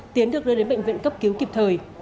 tiến được đưa đến bệnh viện cấp cứu kịp thời